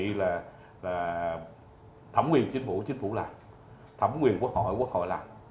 như là thẩm quyền chính phủ chính phủ làm thẩm quyền quốc hội quốc hội làm